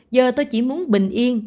giờ tôi chỉ muốn bình yên